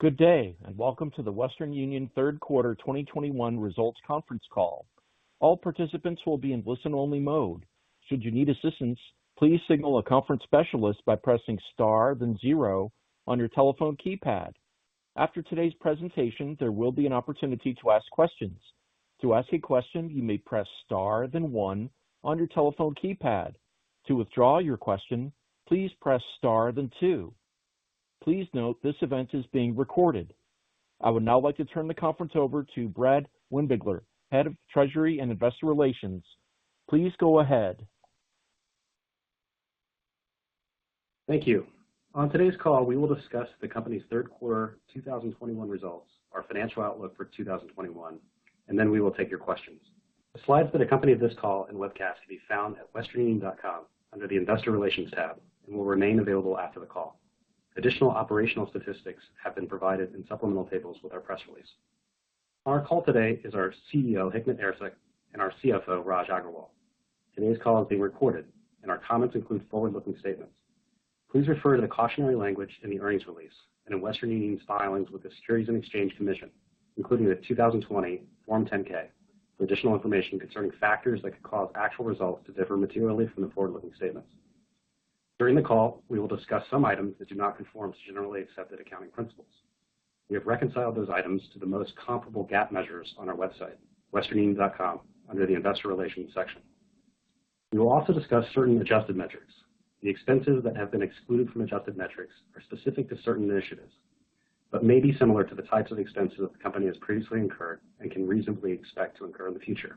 Good day, and welcome to the Western Union third quarter 2021 results conference call. All participants will be in listen-only mode. Should you need assistance, please signal a conference specialist by pressing star, then zero on your telephone keypad. After today's presentation, there will be an opportunity to ask questions. To ask a question, you may press star then one on your telephone keypad. To withdraw your question, please press star then two. Please note this event is being recorded. I would now like to turn the conference over to Brad Windbigler, Head of Treasury and Investor Relations. Please go ahead. Thank you. On today's call, we will discuss the company's third quarter 2021 results, our financial outlook for 2021, and then we will take your questions. The slides that accompany this call and webcast can be found at westernunion.com under the Investor Relations tab and will remain available after the call. Additional operational statistics have been provided in supplemental tables with our press release. On our call today is our CEO, Hikmet Ersek, and our CFO, Raj Agrawal. Today's call is being recorded, and our comments include forward-looking statements. Please refer to the cautionary language in the earnings release and in Western Union's filings with the Securities and Exchange Commission, including the 2020 Form 10-K for additional information concerning factors that could cause actual results to differ materially from the forward-looking statements. During the call, we will discuss some items that do not conform to generally accepted accounting principles. We have reconciled those items to the most comparable GAAP measures on our website, westernunion.com, under the investor relations section. We will also discuss certain adjusted metrics. The expenses that have been excluded from adjusted metrics are specific to certain initiatives, but may be similar to the types of expenses the company has previously incurred and can reasonably expect to incur in the future.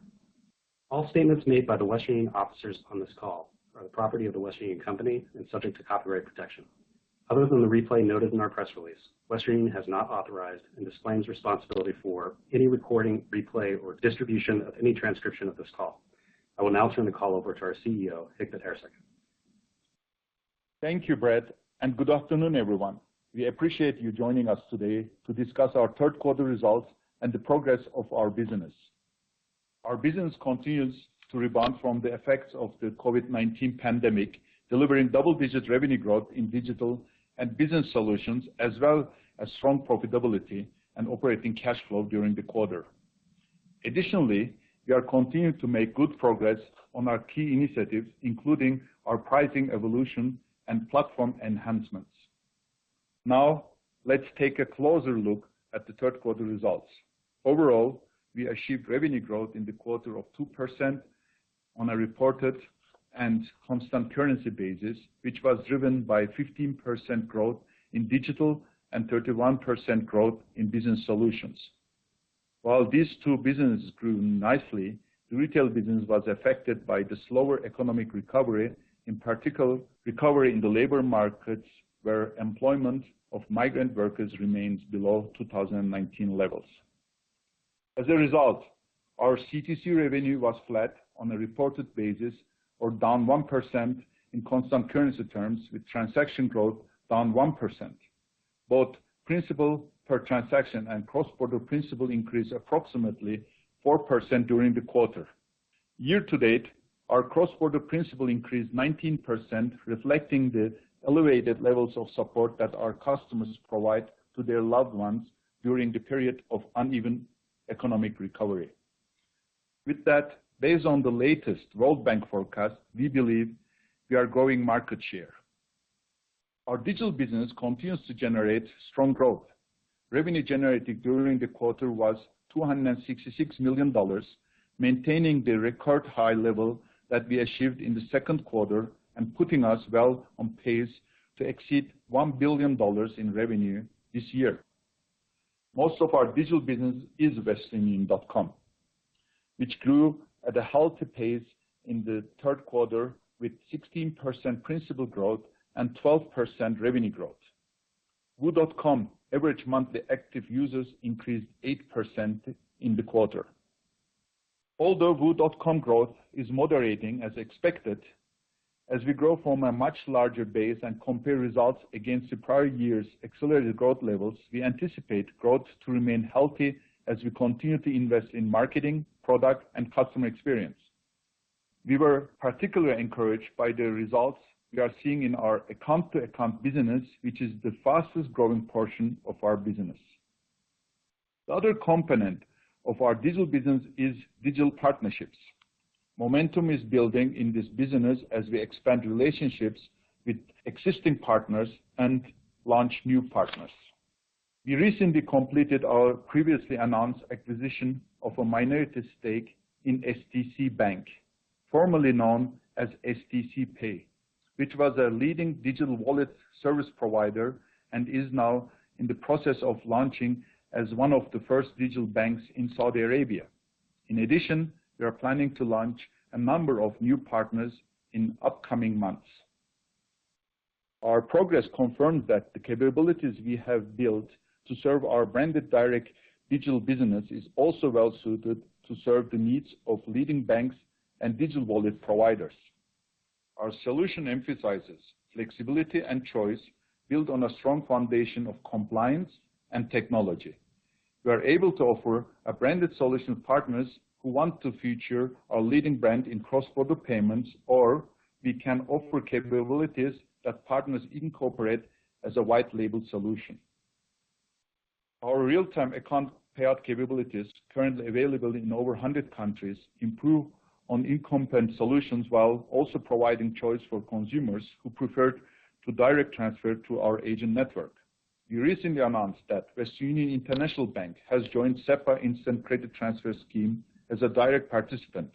All statements made by the Western Union officers on this call are the property of the Western Union Company and subject to copyright protection. Other than the replay noted in our press release, Western Union has not authorized and disclaims responsibility for any recording, replay, or distribution of any transcription of this call. I will now turn the call over to our CEO, Hikmet Ersek. Thank you, Brad, and good afternoon, everyone. We appreciate you joining us today to discuss our third quarter results and the progress of our business. Our business continues to rebound from the effects of the COVID-19 pandemic, delivering double-digit revenue growth in digital and business solutions as well as strong profitability and operating cash flow during the quarter. Additionally, we are continuing to make good progress on our key initiatives, including our pricing evolution and platform enhancements. Now let's take a closer look at the third quarter results. Overall, we achieved revenue growth in the quarter of 2% on a reported and constant currency basis, which was driven by 15% growth in digital and 31% growth in business solutions. While these two businesses grew nicely, the retail business was affected by the slower economic recovery, in particular, recovery in the labor markets, where employment of migrant workers remains below 2019 levels. As a result, our C2C revenue was flat on a reported basis or down 1% in constant currency terms, with transaction growth down 1%. Both principal per transaction and cross-border principal increased approximately 4% during the quarter. Year to date, our cross-border principal increased 19%, reflecting the elevated levels of support that our customers provide to their loved ones during the period of uneven economic recovery. With that, based on the latest World Bank forecast, we believe we are growing market share. Our digital business continues to generate strong growth. Revenue generated during the quarter was $266 million, maintaining the record high level that we achieved in the second quarter and putting us well on pace to exceed $1 billion in revenue this year. Most of our digital business is westernunion.com, which grew at a healthy pace in the third quarter with 16% principal growth and 12% revenue growth. wu.com average monthly active users increased 8% in the quarter. Although wu.com growth is moderating as expected, as we grow from a much larger base and compare results against the prior year's accelerated growth levels, we anticipate growth to remain healthy as we continue to invest in marketing, product, and customer experience. We were particularly encouraged by the results we are seeing in our account-to-account business, which is the fastest-growing portion of our business. The other component of our digital business is digital partnerships. Momentum is building in this business as we expand relationships with existing partners and launch new partners. We recently completed our previously announced acquisition of a minority stake in STC Bank, formerly known as stc pay, which was a leading digital wallet service provider and is now in the process of launching as one of the first digital banks in Saudi Arabia. In addition, we are planning to launch a number of new partners in upcoming months. Our progress confirms that the capabilities we have built to serve our branded direct digital business is also well suited to serve the needs of leading banks and digital wallet providers. Our solution emphasizes flexibility and choice built on a strong foundation of compliance and technology. We are able to offer a branded solution to partners who want to feature our leading brand in cross-border payments, or we can offer capabilities that partners incorporate as a white label solution. Our real-time account payout capabilities currently available in over 100 countries improve on incumbent solutions while also providing choice for consumers who prefer to direct transfer to our agent network. We recently announced that Western Union International Bank has joined SEPA Instant Credit Transfer scheme as a direct participant,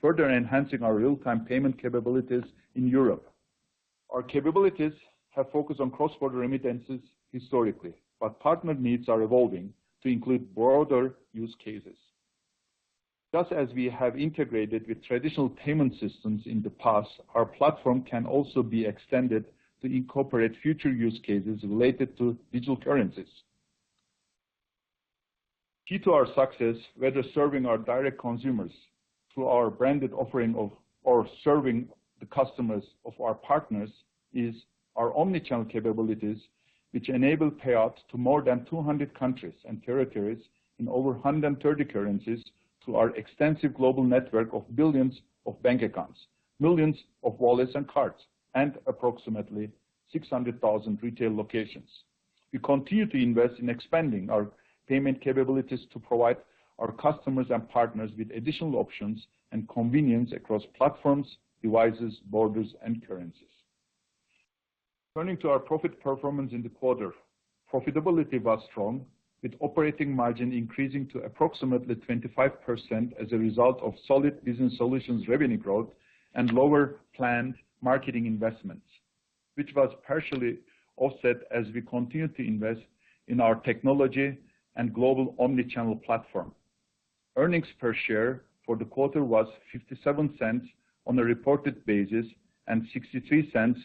further enhancing our real-time payment capabilities in Europe. Our capabilities have focused on cross-border remittances historically, but partner needs are evolving to include broader use cases. Just as we have integrated with traditional payment systems in the past, our platform can also be extended to incorporate future use cases related to digital currencies. Key to our success, whether serving our direct consumers through our branded offering of or serving the customers of our partners, is our omni-channel capabilities which enable payouts to more than 200 countries and territories in over 130 currencies through our extensive global network of billions of bank accounts, millions of wallets and cards, and approximately 600,000 retail locations. We continue to invest in expanding our payment capabilities to provide our customers and partners with additional options and convenience across platforms, devices, borders, and currencies. Turning to our profit performance in the quarter. Profitability was strong, with operating margin increasing to approximately 25% as a result of solid Business Solutions revenue growth and lower planned marketing investments, which was partially offset as we continued to invest in our technology and global omni-channel platform. Earnings per share for the quarter was $0.57 on a reported basis and $0.63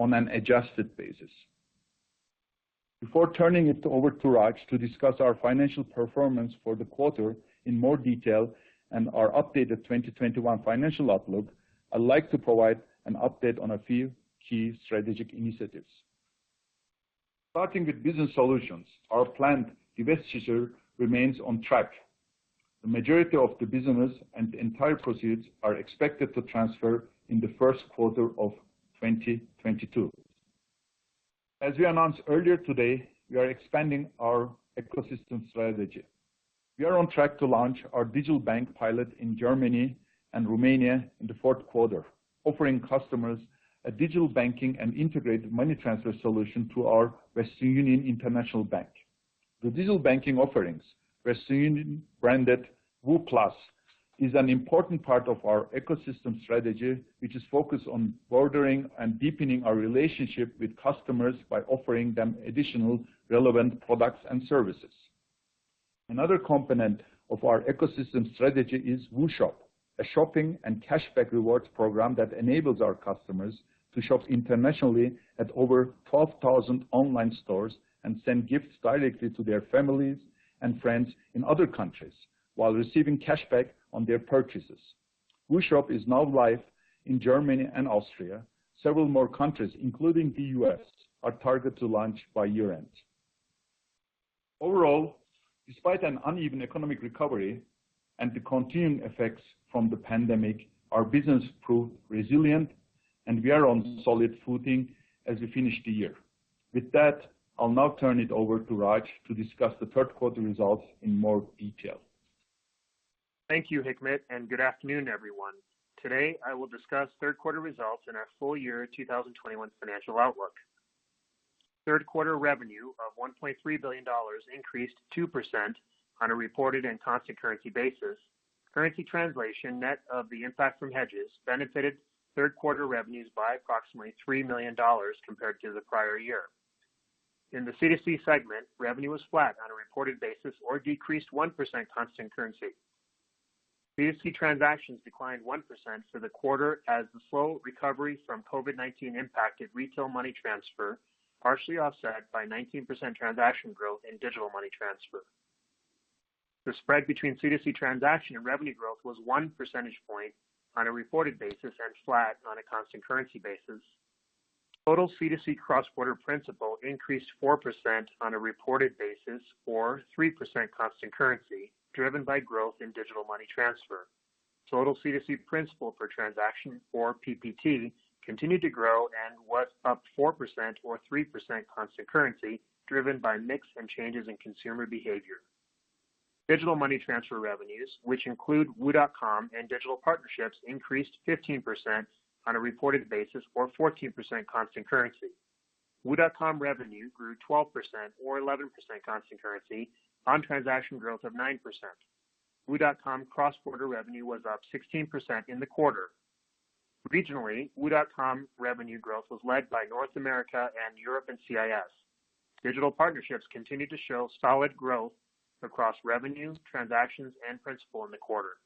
on an adjusted basis. Before turning it over to Raj to discuss our financial performance for the quarter in more detail and our updated 2021 financial outlook, I'd like to provide an update on a few key strategic initiatives. Starting with Business Solutions, our planned divestiture remains on track. The majority of the business and the entire proceeds are expected to transfer in the first quarter of 2022. As we announced earlier today, we are expanding our ecosystem strategy. We are on track to launch our digital bank pilot in Germany and Romania in the fourth quarter, offering customers a digital banking and integrated money transfer solution through our Western Union International Bank. The digital banking offerings, Western Union-branded WU Plus is an important part of our ecosystem strategy, which is focused on broadening and deepening our relationship with customers by offering them additional relevant products and services. Another component of our ecosystem strategy is WU Shop, a shopping and cashback rewards program that enables our customers to shop internationally at over 12,000 online stores and send gifts directly to their families and friends in other countries while receiving cashback on their purchases. WU Shop is now live in Germany and Austria. Several more countries, including the U.S., are targeted to launch by year-end. Overall, despite an uneven economic recovery and the continuing effects from the pandemic, our business proved resilient and we are on solid footing as we finish the year. With that, I'll now turn it over to Raj to discuss the third quarter results in more detail. Thank you, Hikmet, and good afternoon, everyone. Today, I will discuss third quarter results and our full year 2021 financial outlook. Third quarter revenue of $1.3 billion increased 2% on a reported and constant currency basis. Currency translation net of the impact from hedges benefited third quarter revenues by approximately $3 million compared to the prior year. In the C2C segment, revenue was flat on a reported basis or decreased 1% constant currency. C2C transactions declined 1% for the quarter as the slow recovery from COVID-19 impacted retail money transfer, partially offset by 19% transaction growth in digital money transfer. The spread between C2C transaction and revenue growth was 1 percentage point on a reported basis and flat on a constant currency basis. Total C2C cross-border principal increased 4% on a reported basis or 3% constant currency driven by growth in digital money transfer. Total C2C principal for transaction or PPT continued to grow and was up 4% or 3% constant currency driven by mix and changes in consumer behavior. Digital money transfer revenues, which include wu.com and digital partnerships, increased 15% on a reported basis or 14% constant currency. wu.com revenue grew 12% or 11% constant currency on transaction growth of 9%. wu.com cross-border revenue was up 16% in the quarter. Regionally, wu.com revenue growth was led by North America and Europe and CIS. Digital partnerships continued to show solid growth across revenue, transactions, and principal in the quarter.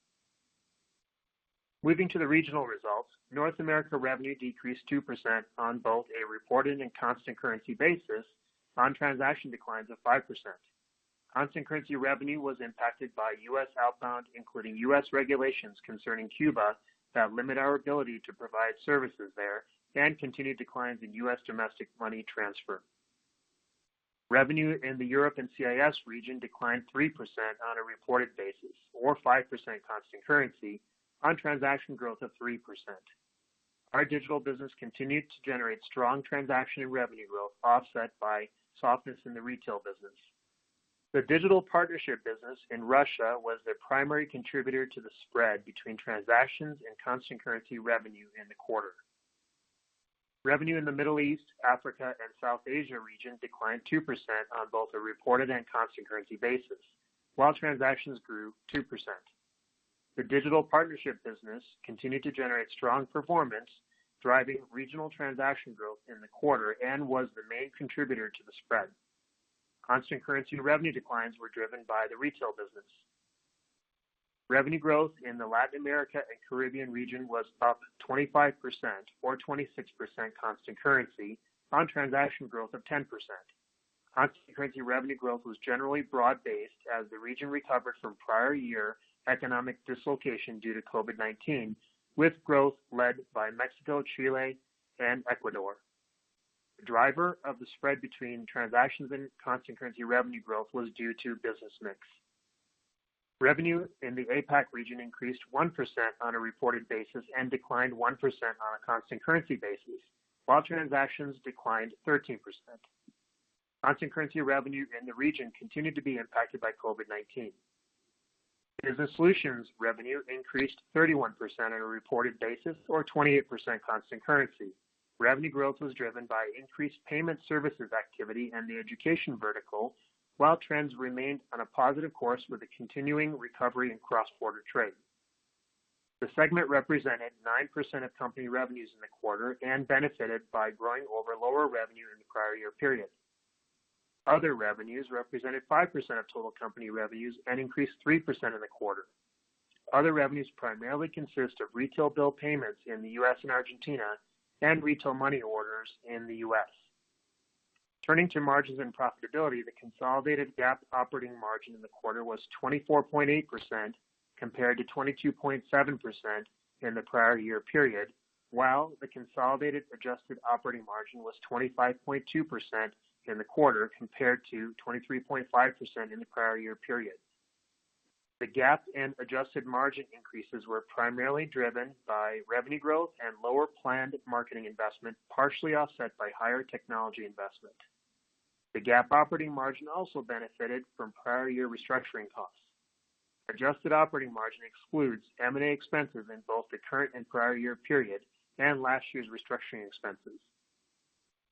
Moving to the regional results. North America revenue decreased 2% on both a reported and constant currency basis on transaction declines of 5%. Constant currency revenue was impacted by U.S. outbound, including U.S. regulations concerning Cuba that limit our ability to provide services there and continued declines in U.S. domestic money transfer. Revenue in the Europe and CIS region declined 3% on a reported basis or 5% constant currency on transaction growth of 3%. Our digital business continued to generate strong transaction and revenue growth, offset by softness in the retail business. The digital partnership business in Russia was the primary contributor to the spread between transactions and constant currency revenue in the quarter. Revenue in the Middle East, Africa and South Asia region declined 2% on both a reported and constant currency basis, while transactions grew 2%. The digital partnership business continued to generate strong performance, driving regional transaction growth in the quarter and was the main contributor to the spread. Constant currency revenue declines were driven by the retail business. Revenue growth in the Latin America and Caribbean region was up 25% or 26% constant currency on transaction growth of 10%. Constant currency revenue growth was generally broad-based as the region recovered from prior year economic dislocation due to COVID-19, with growth led by Mexico, Chile and Ecuador. The driver of the spread between transactions and constant currency revenue growth was due to business mix. Revenue in the APAC region increased 1% on a reported basis and declined 1% on a constant currency basis, while transactions declined 13%. Constant currency revenue in the region continued to be impacted by COVID-19. Business Solutions revenue increased 31% on a reported basis or 28% constant currency. Revenue growth was driven by increased payment services activity in the education vertical, while trends remained on a positive course with a continuing recovery in cross-border trade. The segment represented 9% of company revenues in the quarter and benefited by growing over lower revenue in the prior year period. Other revenues represented 5% of total company revenues and increased 3% in the quarter. Other revenues primarily consist of retail bill payments in the U.S. and Argentina and retail money orders in the U.S. Turning to margins and profitability, the consolidated GAAP operating margin in the quarter was 24.8% compared to 22.7% in the prior year period, while the consolidated adjusted operating margin was 25.2% in the quarter compared to 23.5% in the prior year period. The GAAP and adjusted margin increases were primarily driven by revenue growth and lower planned marketing investment, partially offset by higher technology investment. The GAAP operating margin also benefited from prior year restructuring costs. Adjusted operating margin excludes M&A expenses in both the current and prior year period and last year's restructuring expenses.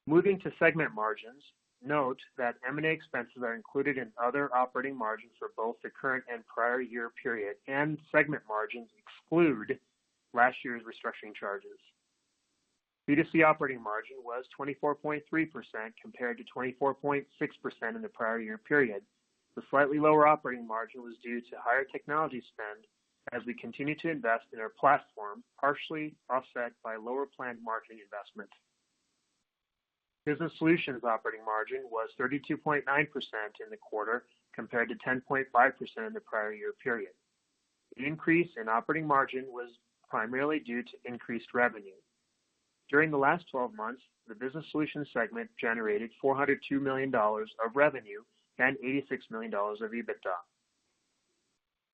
Moving to segment margins. Note that M&A expenses are included in other operating margins for both the current and prior year period, and segment margins exclude last year's restructuring charges. B2C operating margin was 24.3% compared to 24.6% in the prior year period. The slightly lower operating margin was due to higher technology spend as we continue to invest in our platform, partially offset by lower planned marketing investment. Business Solutions operating margin was 32.9% in the quarter compared to 10.5% in the prior year period. The increase in operating margin was primarily due to increased revenue. During the last 12 months, the Business Solutions segment generated $402 million of revenue and $86 million of EBITDA.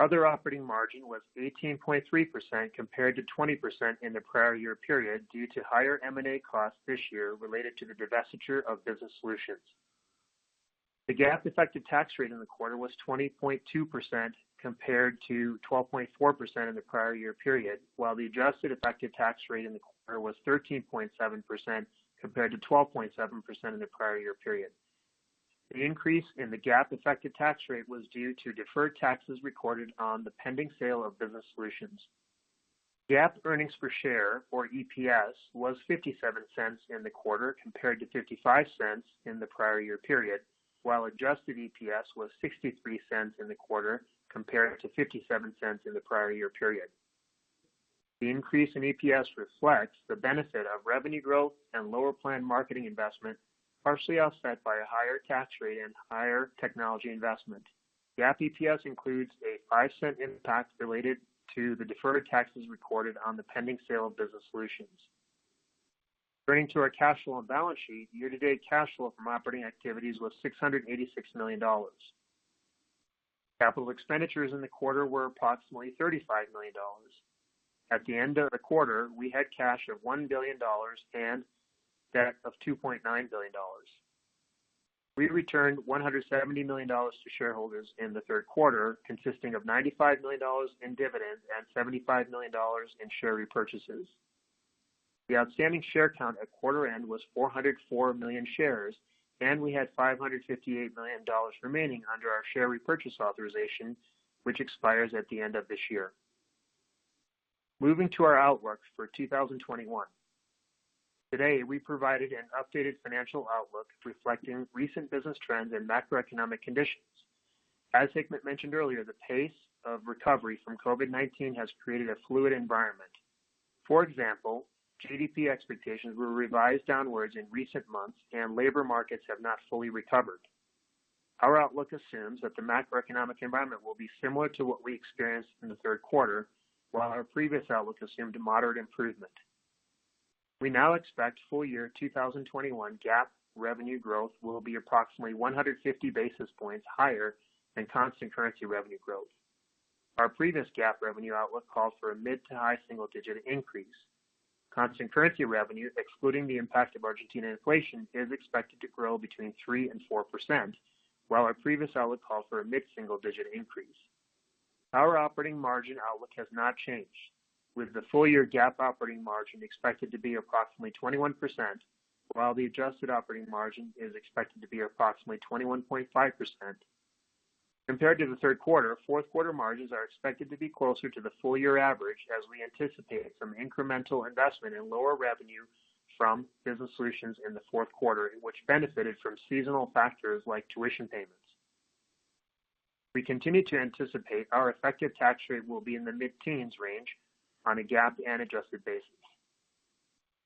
Other operating margin was 18.3% compared to 20% in the prior year period due to higher M&A costs this year related to the divestiture of Business Solutions. The GAAP effective tax rate in the quarter was 20.2% compared to 12.4% in the prior year period, while the adjusted effective tax rate in the quarter was 13.7% compared to 12.7% in the prior year period. The increase in the GAAP effective tax rate was due to deferred taxes recorded on the pending sale of Business Solutions. GAAP earnings per share, or EPS, was $0.57 in the quarter compared to $0.55 in the prior year period, while adjusted EPS was $0.63 in the quarter compared to $0.57 in the prior year period. The increase in EPS reflects the benefit of revenue growth and lower planned marketing investment, partially offset by a higher tax rate and higher technology investment. GAAP EPS includes a $0.05 impact related to the deferred taxes recorded on the pending sale of Business Solutions. Turning to our cash flow and balance sheet, year-to-date cash flow from operating activities was $686 million. Capital expenditures in the quarter were approximately $35 million. At the end of the quarter, we had cash of $1 billion and debt of $2.9 billion. We returned $170 million to shareholders in the third quarter, consisting of $95 million in dividends and $75 million in share repurchases. The outstanding share count at quarter end was 404 million shares, and we had $558 million remaining under our share repurchase authorization, which expires at the end of this year. Moving to our outlook for 2021. Today, we provided an updated financial outlook reflecting recent business trends and macroeconomic conditions. As Hikmet mentioned earlier, the pace of recovery from COVID-19 has created a fluid environment. For example, GDP expectations were revised downwards in recent months and labor markets have not fully recovered. Our outlook assumes that the macroeconomic environment will be similar to what we experienced in the third quarter, while our previous outlook assumed a moderate improvement. We now expect full year 2021 GAAP revenue growth will be approximately 150 basis points higher than constant currency revenue growth. Our previous GAAP revenue outlook calls for a mid- to high-single-digit increase. Constant currency revenue, excluding the impact of Argentina inflation, is expected to grow between 3% and 4%, while our previous outlook called for a mid-single-digit increase. Our operating margin outlook has not changed, with the full year GAAP operating margin expected to be approximately 21%, while the adjusted operating margin is expected to be approximately 21.5%. Compared to the third quarter, fourth quarter margins are expected to be closer to the full year average as we anticipated some incremental investment in lower revenue from Business Solutions in the fourth quarter, which benefited from seasonal factors like tuition payments. We continue to anticipate our effective tax rate will be in the mid-teens% range on a GAAP and adjusted basis.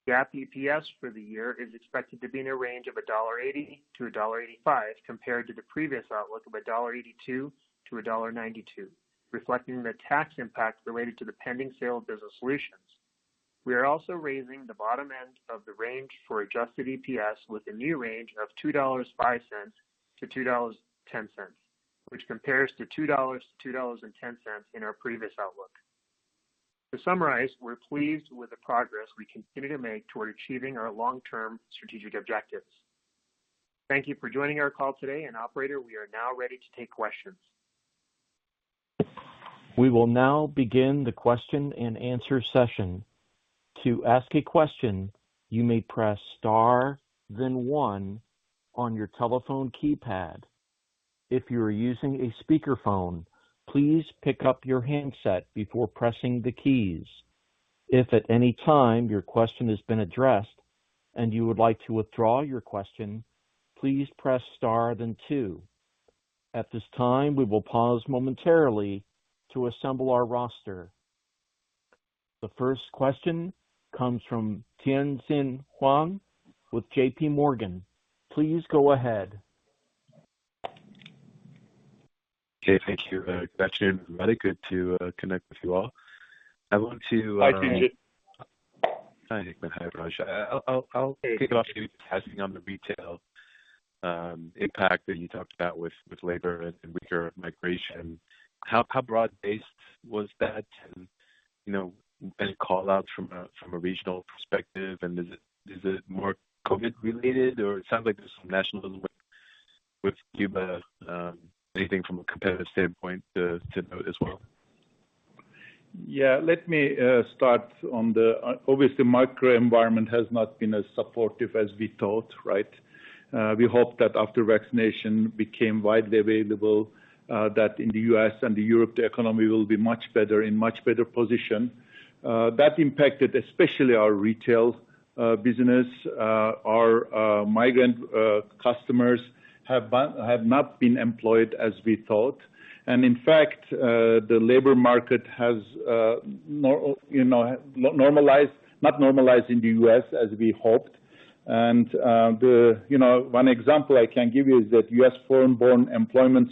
GAAP EPS for the year is expected to be in a range of $1.80-$1.85, compared to the previous outlook of $1.82-$1.92, reflecting the tax impact related to the pending sale of Business Solutions. We are also raising the bottom end of the range for adjusted EPS with a new range of $2.05-$2.10, which compares to $2.00-$2.10 in our previous outlook. To summarize, we're pleased with the progress we continue to make toward achieving our long-term strategic objectives. Thank you for joining our call today, and operator, we are now ready to take questions. We will now begin the question-and-answer session. To ask a question, you may press star, then one on your telephone keypad. If you are using a speakerphone, please pick up your handset before pressing the keys. If at any time your question has been addressed and you would like to withdraw your question, please press star then two. At this time, we will pause momentarily to assemble our roster. The first question comes from Tien-Tsin Huang with JPMorgan. Please go ahead. Okay. Thank you. Good afternoon, everybody. Good to connect with you all. Hi, Tien-Tsin. Hi, Hikmet. Hi, Raj. I'll kick it off maybe starting on the retail impact that you talked about with labor and weaker migration. How broad-based was that? You know, any call outs from a regional perspective and is it more COVID related or it sounds like there's some national with Cuba, anything from a competitive standpoint to note as well? Yeah. Let me start on the— Obviously macro environment has not been as supportive as we thought, right? We hope that after vaccination became widely available, that in the U.S. and Europe, the economy will be much better, in much better position. That impacted especially our retail business. Our migrant customers have not been employed as we thought. In fact, the labor market has, you know, not normalized in the U.S. as we hoped. The, you know, one example I can give you is that U.S. foreign-born employment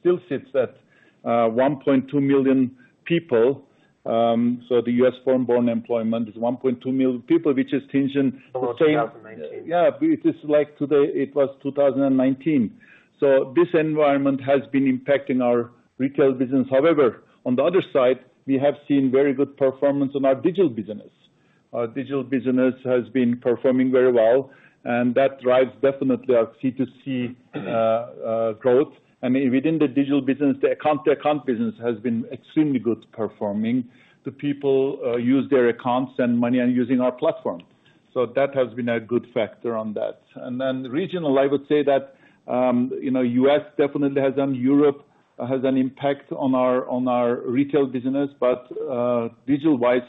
still sits at 1.2 million people. So the U.S. foreign-born employment is 1.2 million people, which is tension. Almost 2019. Yeah. It is like today it was 2019. This environment has been impacting our retail business. However, on the other side, we have seen very good performance on our digital business. Our digital business has been performing very well, and that drives definitely our C2C growth. I mean, within the digital business, the account-to-account business has been extremely good performing. The people use their accounts and money and using our platform. That has been a good factor on that. Then regional, I would say that, you know, U.S. definitely has an impact, Europe has an impact on our retail business. Digital wise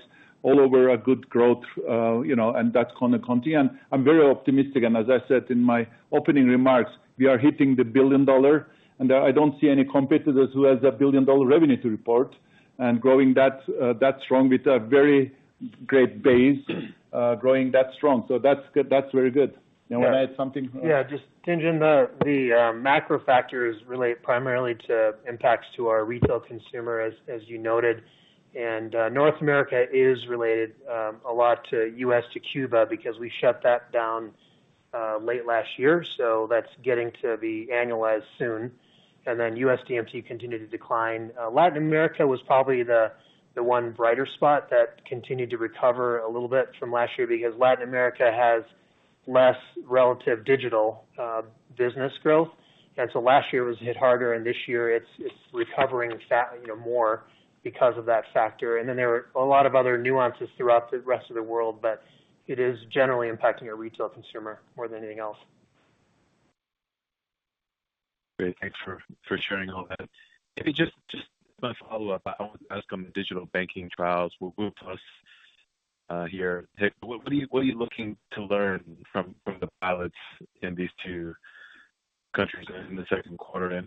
all over a good growth, you know, and that's gonna continue. I'm very optimistic. as I said in my opening remarks, we are hitting the $1 billion, and I don't see any competitors who has a $1 billion revenue to report and growing that strong with a very great base, growing that strong. That's good. That's very good. You wanna add something? Yeah. Just changing the macro factors relate primarily to impacts to our retail consumer, as you noted. North America is related a lot to U.S. to Cuba because we shut that down late last year. That's getting to be annualized soon. USDMT continued to decline. Latin America was probably the one brighter spot that continued to recover a little bit from last year because Latin America has less relative digital business growth. Last year was hit harder, and this year it's recovering, you know, more because of that factor. There are a lot of other nuances throughout the rest of the world, but it is generally impacting our retail consumer more than anything else. Great. Thanks for sharing all that. Maybe just one follow-up. I want to ask on the digital banking trials with both of us here. What are you looking to learn from the pilots in these two countries in the second quarter?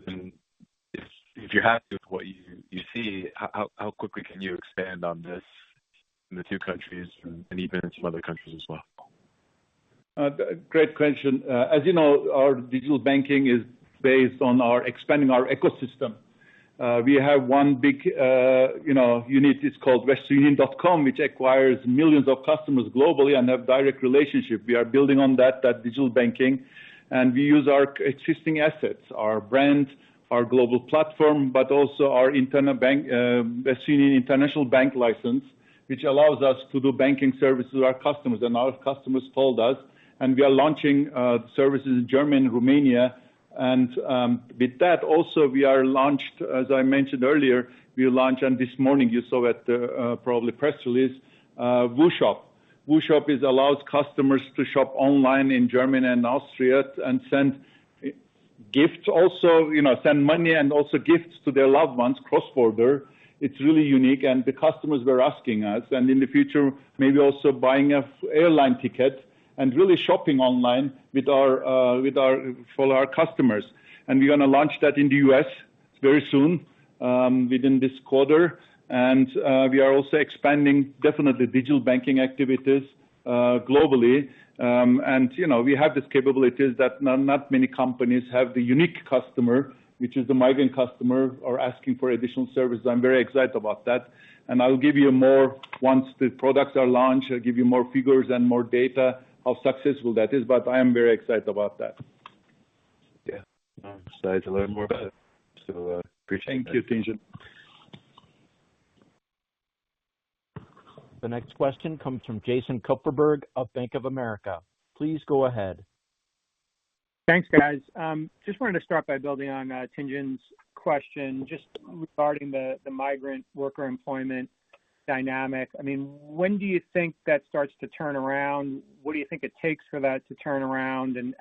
If you're happy with what you see, how quickly can you expand on this in the two countries and even in some other countries as well? Great question. As you know, our digital banking is based on expanding our ecosystem. We have one big, you know, unit, it's called westernunion.com, which acquires millions of customers globally and have direct relationship. We are building on that digital banking, and we use our existing assets, our brand, our global platform, but also our internal bank, Western Union International Bank license, which allows us to do banking services to our customers. Our customers told us, and we are launching services in Germany and Romania. With that also we launched, as I mentioned earlier, and this morning you saw that, probably press release, WU Shop. WU Shop allows customers to shop online in Germany and Austria and send gifts also, you know, send money and also gifts to their loved ones cross-border. It's really unique, and the customers were asking us. In the future, maybe also buying an airline ticket and really shopping online with our for our customers. We're gonna launch that in the U.S. very soon, within this quarter. We are also expanding definitely digital banking activities globally. You know, we have these capabilities that not many companies have the unique customer, which is the migrant customer are asking for additional services. I'm very excited about that. I'll give you more once the products are launched. I'll give you more figures and more data how successful that is, but I am very excited about that. Yeah. I'm excited to learn more about it. Appreciate that. Thank you, Tien-Tsin Huang. The next question comes from Jason Kupferberg of Bank of America. Please go ahead. Thanks, guys. Just wanted to start by building on Tien-Tsin Huang's question just regarding the migrant worker employment dynamic. I mean, when do you think that starts to turn around? What do you think it takes for that to turn around? And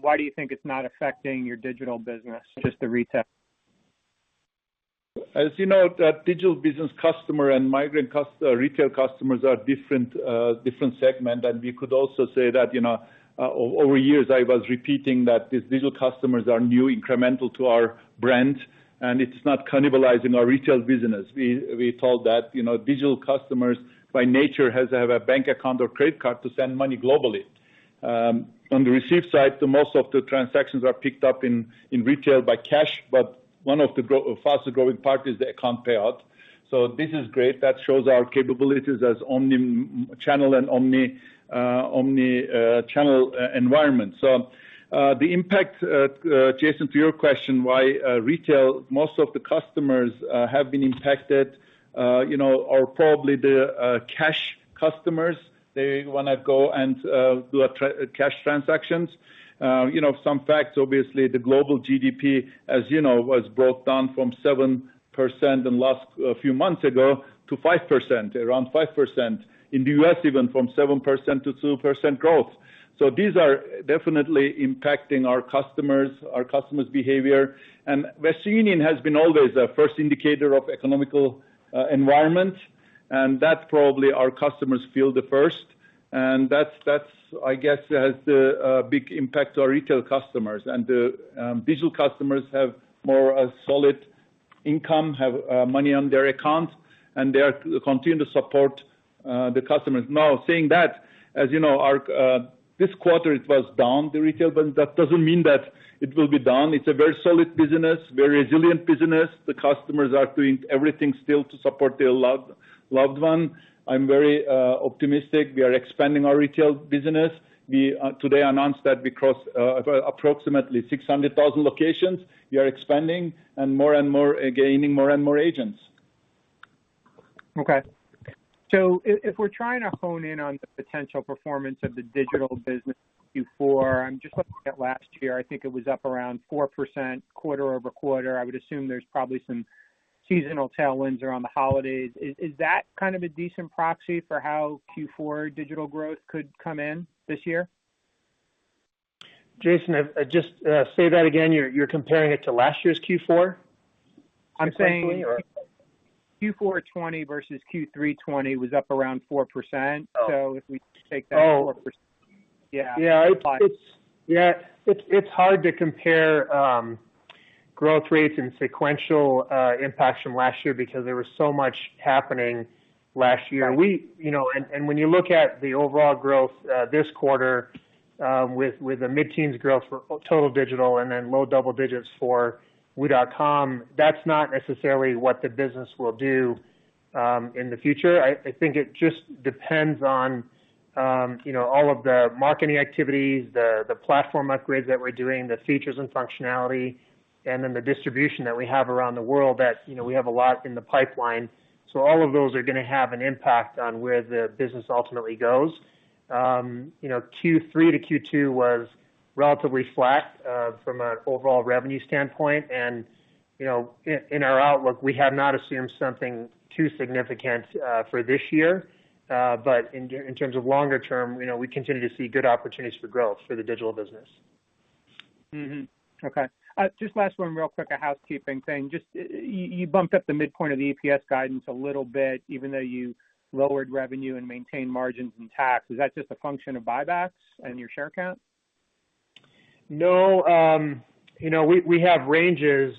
why do you think it's not affecting your digital business, just the retail? As you know, the digital business customer and migrant customer, retail customers are different segment. We could also say that, you know, over years I was repeating that these digital customers are new incremental to our brand and it's not cannibalizing our retail business. We thought that, you know, digital customers by nature has to have a bank account or credit card to send money globally. On the receive side, most of the transactions are picked up in retail by cash, but one of the faster-growing parts is the account payout. This is great. That shows our capabilities as omnichannel environment. The impact, Jason, to your question, why retail most of the customers have been impacted, you know, are probably the cash customers. They want to go and do cash transactions. You know, some facts, obviously the global GDP, as you know, was brought down from 7% a few months ago to 5%, around 5%. In the U.S. even from 7% to 2% growth. These are definitely impacting our customers, our customers' behavior. Western Union has been always a first indicator of economic environment, and that probably our customers feel the first. That's, I guess, has the big impact to our retail customers. The digital customers have more a solid income, have money on their accounts, and they continue to support the customers. Now saying that, as you know, our this quarter it was down, the retail, but that doesn't mean that it will be down. It's a very solid business, very resilient business. The customers are doing everything still to support their loved one. I'm very optimistic. We are expanding our retail business. We today announced that we crossed approximately 600,000 locations. We are expanding and more and more, gaining more and more agents. Okay. If we're trying to hone in on the potential performance of the digital business Q4, I'm just looking at last year, I think it was up around 4% quarter-over-quarter. I would assume there's probably some seasonal tailwinds around the holidays. Is that kind of a decent proxy for how Q4 digital growth could come in this year? Jason, just say that again. You're comparing it to last year's Q4 essentially or? I'm saying Q4 2020 versus Q3 2020 was up around 4%. If we take that 4%. Yeah. It's hard to compare growth rates and sequential impacts from last year because there was so much happening last year. When you look at the overall growth this quarter with the mid-teens growth for total digital and then low double digits for wu.com, that's not necessarily what the business will do in the future. I think it just depends on you know all of the marketing activities, the platform upgrades that we're doing, the features and functionality, and then the distribution that we have around the world that you know we have a lot in the pipeline. All of those are gonna have an impact on where the business ultimately goes. You know, Q3 to Q2 was relatively flat from an overall revenue standpoint. You know, in our outlook, we have not assumed something too significant for this year. But in terms of longer term, you know, we continue to see good opportunities for growth for the digital business. Okay. Just last one real quick, a housekeeping thing. Just, you bumped up the midpoint of the EPS guidance a little bit, even though you lowered revenue and maintained margins and tax. Is that just a function of buybacks and your share count? No, you know, we have ranges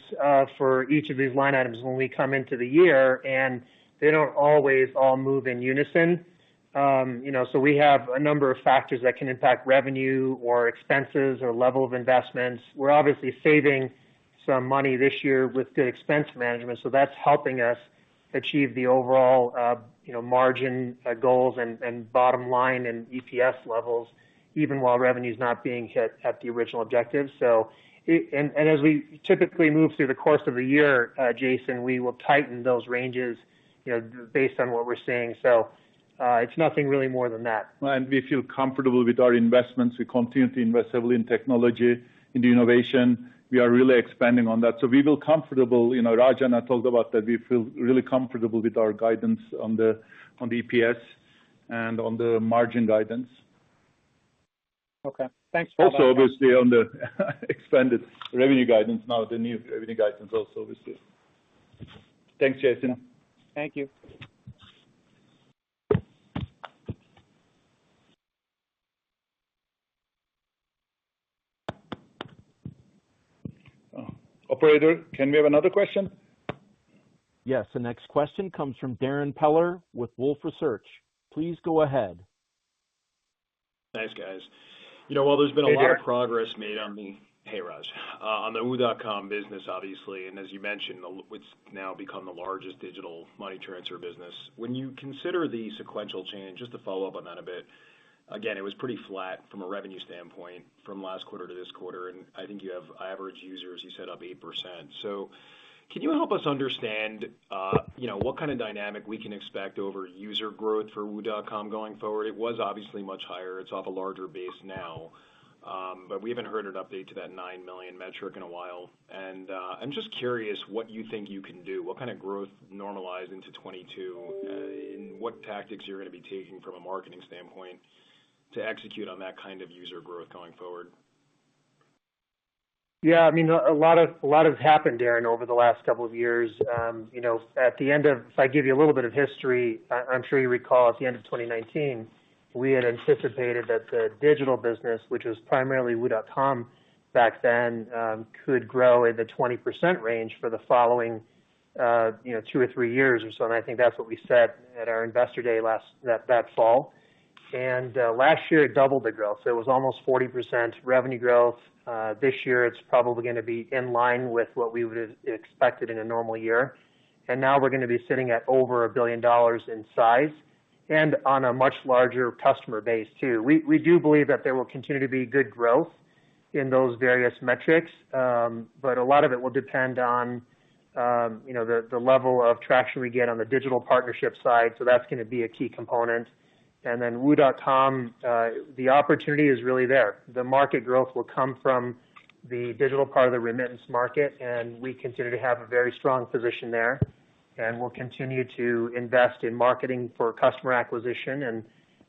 for each of these line items when we come into the year, and they don't always all move in unison. You know, so we have a number of factors that can impact revenue or expenses or level of investments. We're obviously saving some money this year with good expense management, so that's helping us achieve the overall, you know, margin goals and bottom line and EPS levels, even while revenue's not being hit at the original objectives. And as we typically move through the course of the year, Jason, we will tighten those ranges, you know, based on what we're seeing. So, it's nothing really more than that. We feel comfortable with our investments. We continue to invest heavily in technology, in the innovation. We are really expanding on that. We feel comfortable. You know, Raj and I talked about that we feel really comfortable with our guidance on the EPS and on the margin guidance. Okay. Thanks for that. Obviously, on the expanded revenue guidance. Now the new revenue guidance also, obviously. Thanks, Jason. Thank you. Operator, can we have another question? Yes. The next question comes from Darrin Peller with Wolfe Research. Please go ahead. Thanks, guys. You know, while there's been a lot. Hey, Darrin. Hey, Raj. On the wu.com business, obviously, and as you mentioned, what's now become the largest digital money transfer business. When you consider the sequential change, just to follow up on that a bit, again, it was pretty flat from a revenue standpoint from last quarter to this quarter, and I think you have average users, you said, up 8%. So can you help us understand, you know, what kind of dynamic we can expect over user growth for wu.com going forward? It was obviously much higher. It's off a larger base now. We haven't heard an update to that 9 million metric in a while. I'm just curious what you think you can do, what kind of growth normalized into 2022, and what tactics you're gonna be taking from a marketing standpoint to execute on that kind of user growth going forward. Yeah, I mean, a lot has happened, Darrin, over the last couple of years. If I give you a little bit of history, I'm sure you recall at the end of 2019, we had anticipated that the digital business, which was primarily wu.com back then, could grow at the 20% range for the following, you know, two or three years or so, and I think that's what we said at our investor day last, that fall. Last year it doubled the growth. There was almost 40% revenue growth. This year it's probably gonna be in line with what we would've expected in a normal year. Now we're gonna be sitting at over $1 billion in size and on a much larger customer base too. We do believe that there will continue to be good growth in those various metrics, but a lot of it will depend on, you know, the level of traction we get on the digital partnership side, so that's gonna be a key component. wu.com, the opportunity is really there. The market growth will come from the digital part of the remittance market, and we continue to have a very strong position there. We'll continue to invest in marketing for customer acquisition, and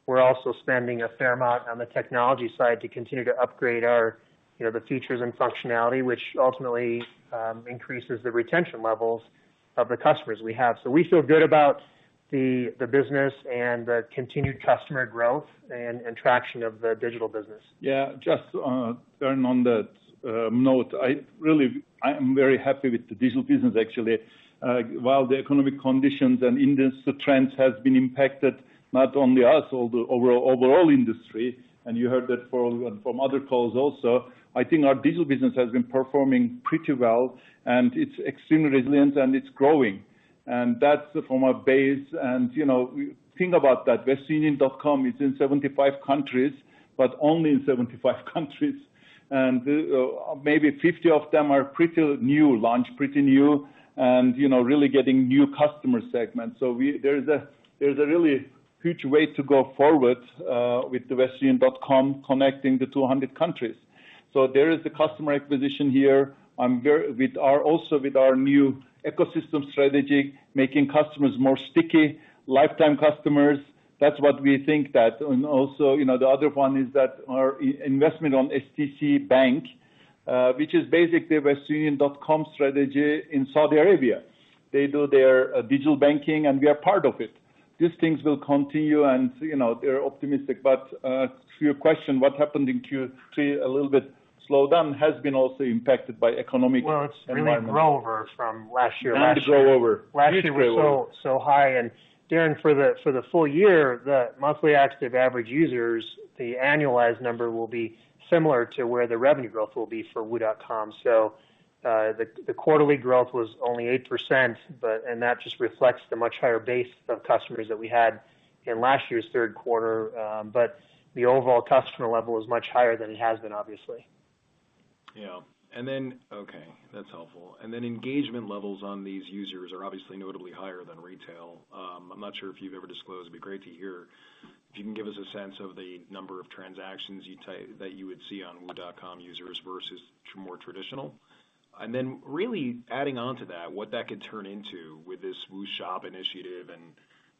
we're also spending a fair amount on the technology side to continue to upgrade our, you know, the features and functionality, which ultimately increases the retention levels of the customers we have. We feel good about the business and the continued customer growth and traction of the digital business. Yeah. Just, Darrin, on that note. I am very happy with the digital business actually. While the economic conditions and industry trends has been impacted, not only us, the overall industry, and you heard that from other calls also, I think our digital business has been performing pretty well and it's extremely resilient and it's growing. That's from a base and, you know, think about that. westernunion.com is in 75 countries, but only in 75 countries. Maybe 50 of them are pretty new launch, pretty new and, you know, really getting new customer segments. There's a really huge way to go forward with the westernunion.com connecting the 200 countries. So there is the customer acquisition here. I'm very with our also with our new ecosystem strategy, making customers more sticky, lifetime customers. That's what we think that. Also, you know, the other one is that our investment on STC Bank, which is basically westernunion.com strategy in Saudi Arabia. They do their digital banking, and we are part of it. These things will continue and, you know, they're optimistic. To your question, what happened in Q3, a little bit slowdown has been also impacted by economic environment. Well, it's really grow-over from last year. Grow-over. Last year was so high. Darrin, for the full year, the monthly active average users, the annualized number will be similar to where the revenue growth will be for wu.com. The quarterly growth was only 8%, but that just reflects the much higher base of customers that we had in last year's third quarter. The overall customer level is much higher than it has been, obviously. Yeah. Okay, that's helpful. Engagement levels on these users are obviously notably higher than retail. I'm not sure if you've ever disclosed. It'd be great to hear if you can give us a sense of the number of transactions that you would see on wu.com users versus more traditional. Really adding on to that, what that could turn into WU Shop initiative and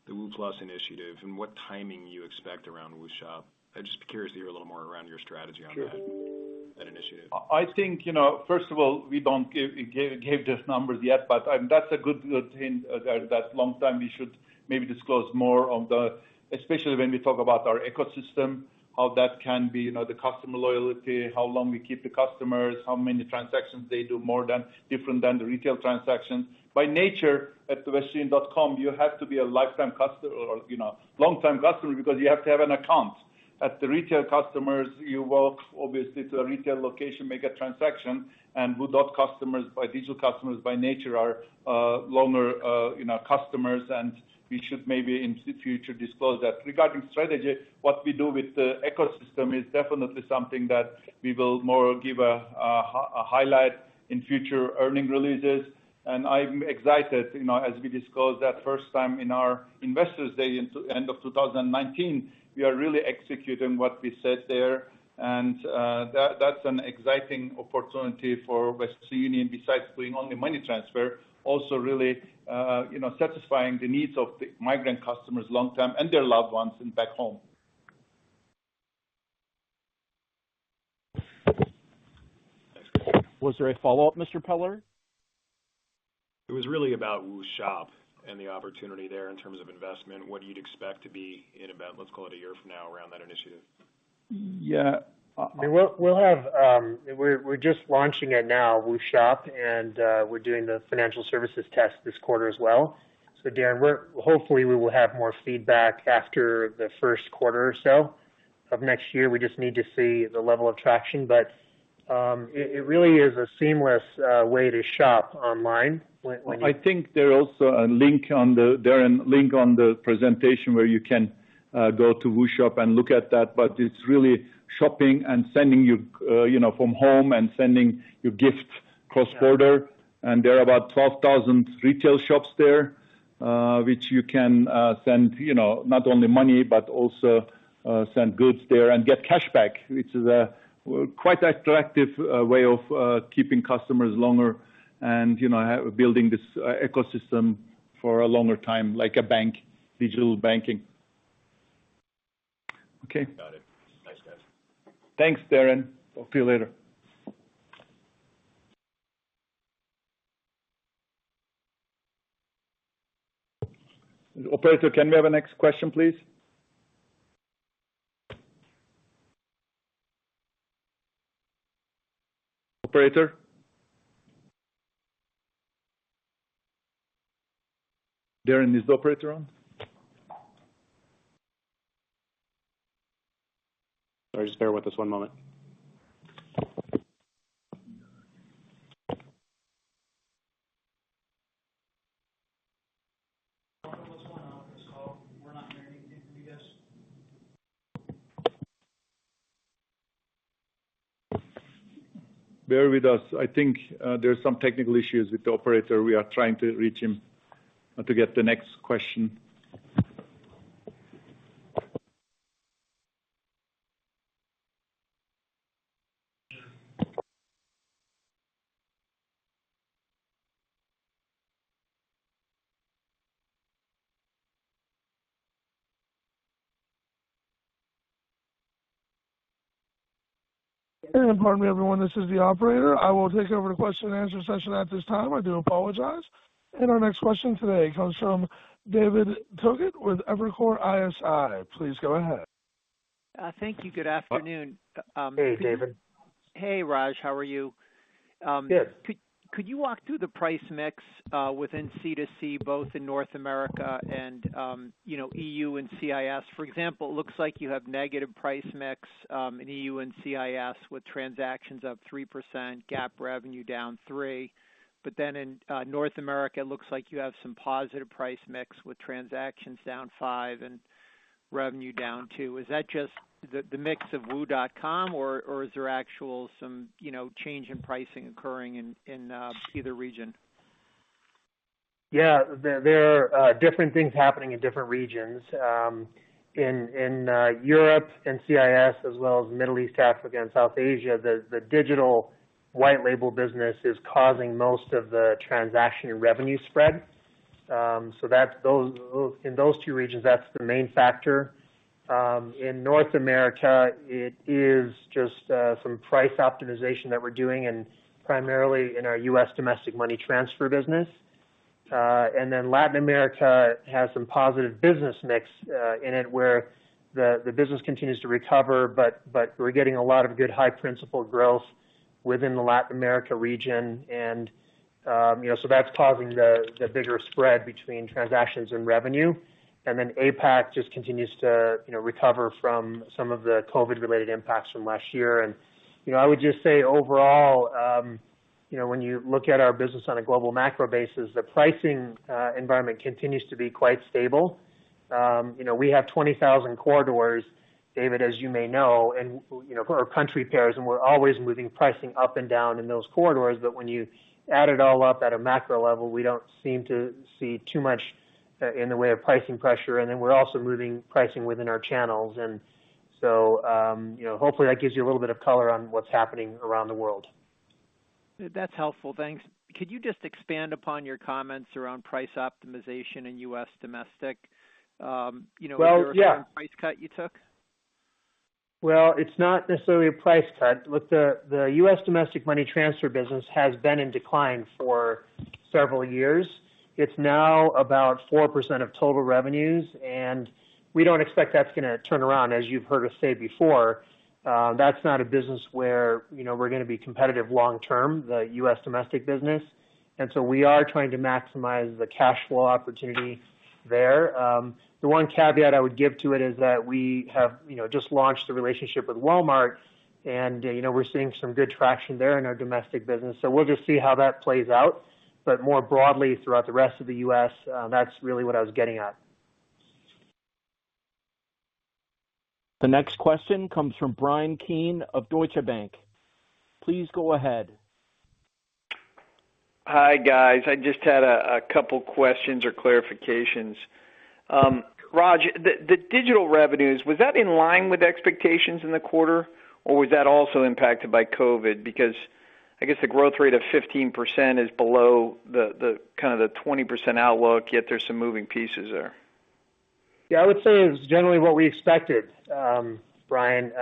the WU Plus initiative and what timing you expect around WU Shop. I'm just curious to hear a little more around your strategy on that. Sure. That initiative. I think, you know, first of all, we don't give this numbers yet, but that's a good thing that long time we should maybe disclose more of the, especially when we talk about our ecosystem, how that can be, you know, the customer loyalty, how long we keep the customers, how many transactions they do more than different than the retail transaction. By nature, at westernunion.com, you have to be a lifetime customer or, you know, long-time customer because you have to have an account. At the retail customers, you walk obviously to a retail location, make a transaction, and WU.com customers, digital customers by nature are longer, you know, customers, and we should maybe in the future disclose that. Regarding strategy, what we do with the ecosystem is definitely something that we will more give a highlight in future earnings releases. I'm excited, you know, as we disclosed that first time in our Investors Day in end of 2019, we are really executing what we said there. That's an exciting opportunity for Western Union, besides doing only money transfer, also really, you know, satisfying the needs of the migrant customers long-term and their loved ones in back home. Thanks. Was there a follow-up, Mr. Peller? It was really about WU Shop and the opportunity there in terms of investment, what you'd expect to be in about, let's call it a year from now around that initiative. Yeah. I mean, we'll have. We're just launching it now, WU Shop, and we're doing the financial services test this quarter as well. Darrin, we're hopefully we will have more feedback after the first quarter or so of next year. We just need to see the level of traction. It really is a seamless way to shop online when you. I think there are also a link on the presentation, Darrin, where you can go to WU Shop and look at that, but it's really shopping and sending, too, you know, from home and sending your gift cross-border. There are about 12,000 retail shops there, which you can send, you know, not only money but also send goods there and get cashback, which is a quite attractive way of keeping customers longer and, you know, building this ecosystem for a longer time, like a bank, digital banking. Okay. Got it. Thanks, guys. Thanks, Darrin. Talk to you later. Operator, can we have a next question, please? Operator? Brad, is the operator on? Sorry, just bear with us one moment. What's going on with this call? We're not hearing anything from you guys. Bear with us. I think, there's some technical issues with the operator. We are trying to reach him, to get the next question. Pardon me, everyone. This is the operator. I will take over the question and answer session at this time. I do apologize. Our next question today comes from David Togut with Evercore ISI. Please go ahead. Thank you. Good afternoon. Hey, David. Hey, Raj. How are you? Yes. Could you walk through the price mix within C2C, both in North America and, you know, EU and CIS? For example, it looks like you have negative price mix in EU and CIS with transactions up 3%, GAAP revenue down 3%. But then in North America, it looks like you have some positive price mix with transactions down 5% and revenue down 2%. Is that just the mix of wu.com or is there actual some, you know, change in pricing occurring in either region? Yeah. There are different things happening in different regions. In Europe and CIS, as well as Middle East, Africa, and South Asia, the digital white label business is causing most of the transaction and revenue spread. That's in those two regions, that's the main factor. In North America, it is just some price optimization that we're doing and primarily in our U.S. domestic money transfer business. Latin America has some positive business mix in it where the business continues to recover, but we're getting a lot of good high principal growth within the Latin America region. You know, that's causing the bigger spread between transactions and revenue. APAC just continues to, you know, recover from some of the COVID-related impacts from last year. You know, I would just say overall, you know, when you look at our business on a global macro basis, the pricing environment continues to be quite stable. You know, we have 20,000 corridors, David, as you may know, and you know, for our country pairs, and we're always moving pricing up and down in those corridors. When you add it all up at a macro level, we don't seem to see too much in the way of pricing pressure. Then we're also moving pricing within our channels. You know, hopefully, that gives you a little bit of color on what's happening around the world. That's helpful. Thanks. Could you just expand upon your comments around price optimization in U.S. domestic? Well, yeah. You know, the recent price cut you took? Well, it's not necessarily a price cut. Look, the U.S. domestic money transfer business has been in decline for several years. It's now about 4% of total revenues, and we don't expect that's gonna turn around. As you've heard us say before, that's not a business where, you know, we're gonna be competitive long term, the U.S. domestic business. We are trying to maximize the cash flow opportunity there. The one caveat I would give to it is that we have, you know, just launched a relationship with Walmart, and, you know, we're seeing some good traction there in our domestic business. So we'll just see how that plays out. More broadly, throughout the rest of the U.S., that's really what I was getting at. The next question comes from Bryan Keane of Deutsche Bank. Please go ahead. Hi, guys. I just had a couple questions or clarifications. Raj, the digital revenues, was that in line with expectations in the quarter, or was that also impacted by COVID? Because I guess the growth rate of 15% is below the kind of the 20% outlook, yet there's some moving pieces there. Yeah. I would say it's generally what we expected, Bryan.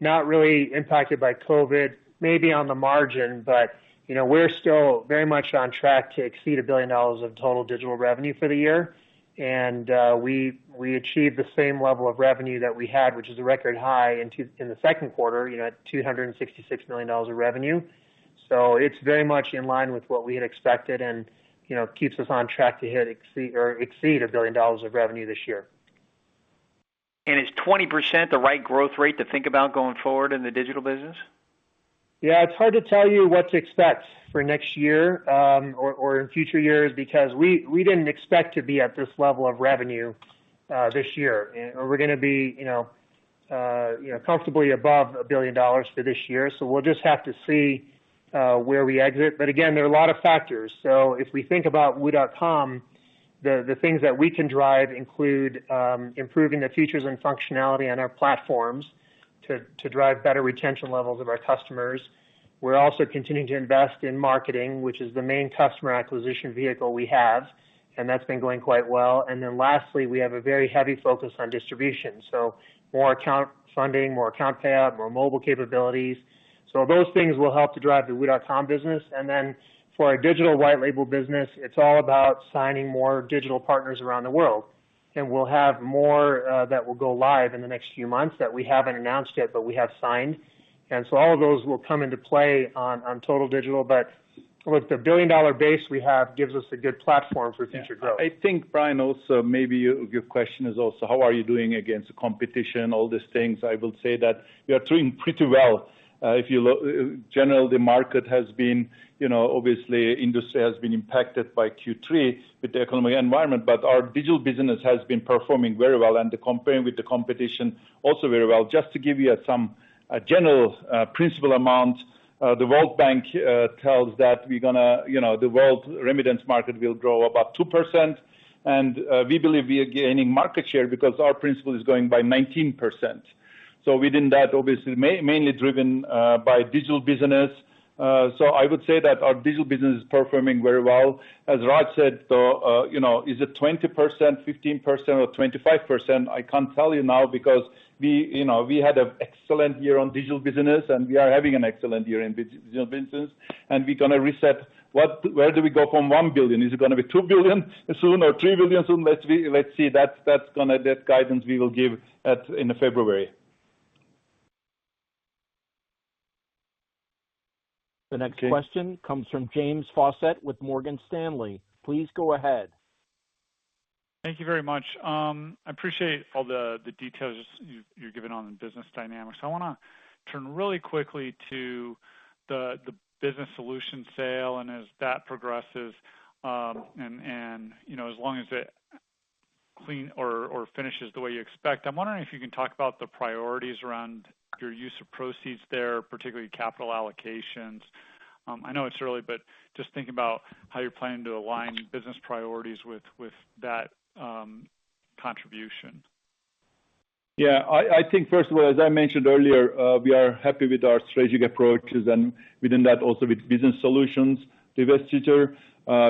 Not really impacted by COVID. Maybe on the margin, but, you know, we're still very much on track to exceed $1 billion of total digital revenue for the year. We achieved the same level of revenue that we had, which is a record high in the second quarter, you know, at $266 million of revenue. It's very much in line with what we had expected and, you know, keeps us on track to hit or exceed $1 billion of revenue this year. Is 20% the right growth rate to think about going forward in the digital business? Yeah. It's hard to tell you what to expect for next year, or in future years because we didn't expect to be at this level of revenue this year. We're gonna be, you know, comfortably above $1 billion for this year, so we'll just have to see where we exit. Again, there are a lot of factors. If we think about wu.com, the things that we can drive include improving the features and functionality on our platforms to drive better retention levels of our customers. We're also continuing to invest in marketing, which is the main customer acquisition vehicle we have, and that's been going quite well. Then lastly, we have a very heavy focus on distribution. More account funding, more account payout, more mobile capabilities. Those things will help to drive the wu.com business. For our digital white label business, it's all about signing more digital partners around the world. We'll have more that will go live in the next few months that we haven't announced yet, but we have signed. All of those will come into play on total digital. With the billion-dollar base we have, gives us a good platform for future growth. Yeah. I think Bryan also maybe your question is also how are you doing against the competition, all these things. I will say that we are doing pretty well. If you look in general, the market has been, you know, obviously industry has been impacted by Q3 with the economic environment, but our digital business has been performing very well and comparing with the competition also very well. Just to give you some general principal amount, the World Bank tells us that we're gonna, you know, the world remittance market will grow about 2%, and we believe we are gaining market share because our principal is growing by 19%. Within that, obviously mainly driven by digital business. I would say that our digital business is performing very well. As Raj said, though, you know, is it 20%, 15%, or 25%? I can't tell you now because we, you know, we had an excellent year on digital business, and we are having an excellent year in digital business, and we're gonna reset where we go from $1 billion? Is it gonna be $2 billion soon or $3 billion soon? Let's see. That guidance we will give in February. The next question comes from James Faucette with Morgan Stanley. Please go ahead. Thank you very much. I appreciate all the details you're giving on the business dynamics. I wanna turn really quickly to the Business Solutions sale and as that progresses, and you know, as long as it closes or finishes the way you expect. I'm wondering if you can talk about the priorities around your use of proceeds there, particularly capital allocations. I know it's early, but just thinking about how you're planning to align business priorities with that contribution. Yeah. I think first of all, as I mentioned earlier, we are happy with our strategic approaches and within that also with Business Solutions divestiture.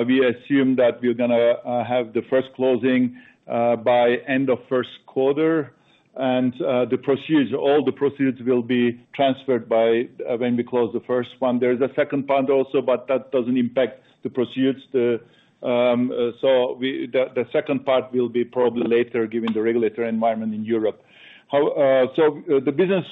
We assume that we're gonna have the first closing by end of first quarter. The proceeds, all the proceeds will be transferred by when we close the first one. There is a second part also, but that doesn't impact the proceeds. The second part will be probably later given the regulatory environment in Europe. The Business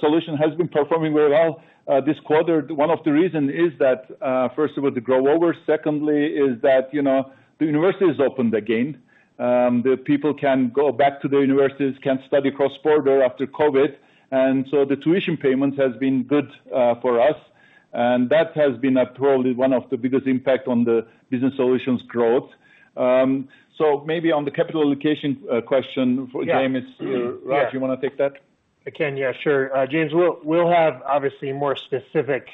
Solutions has been performing very well this quarter. One of the reason is that first of all, the grow-over. Secondly is that, you know, the universities opened again. The people can go back to the universities, can study cross-border after COVID. The tuition payment has been good for us. That has been probably one of the biggest impact on the Business Solutions growth. Maybe on the capital allocation question for James. Yeah. Raj, you wanna take that? I can, yeah, sure. James, we'll have obviously more specific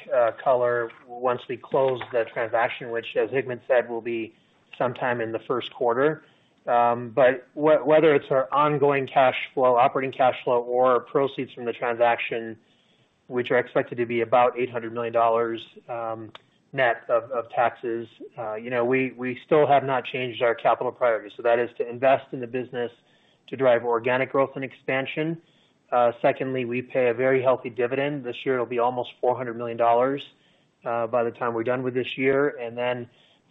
color once we close the transaction, which as Hikmet said, will be sometime in the first quarter. Whether it's our ongoing cash flow, operating cash flow or proceeds from the transaction, which are expected to be about $800 million, net of taxes. You know, we still have not changed our capital priorities. That is to invest in the business to drive organic growth and expansion. Secondly, we pay a very healthy dividend. This year it'll be almost $400 million, by the time we're done with this year.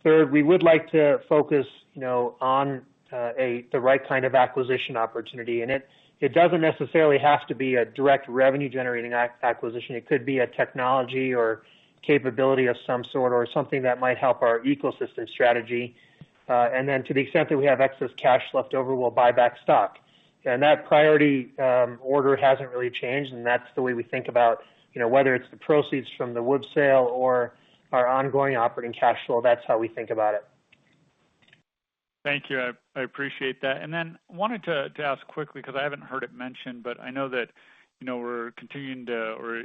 Third, we would like to focus, you know, on the right kind of acquisition opportunity. It doesn't necessarily have to be a direct revenue generating acquisition. It could be a technology or capability of some sort, or something that might help our ecosystem strategy. To the extent that we have excess cash left over, we'll buy back stock. That priority order hasn't really changed, and that's the way we think about, you know, whether it's the proceeds from the Woods sale or our ongoing operating cash flow. That's how we think about it. Thank you. I appreciate that. I wanted to ask quickly because I haven't heard it mentioned, but I know that, you know, we're continuing to or